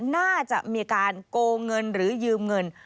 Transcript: น่าจะมีการโกงเงินหรือยืมเงิน